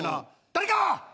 「誰か！